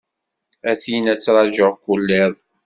A tinna ttṛaǧuɣ kul iḍ.